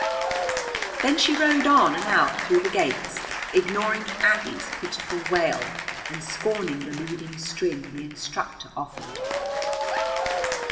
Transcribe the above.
Then she rode on and out through the gates, ignoring Aggie's pitiful wail and scorning the leading string the instructor offered.